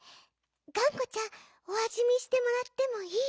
がんこちゃんおあじみしてもらってもいい？